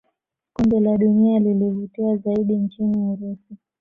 kombe la dunia lilivutia zaidi nchini urusi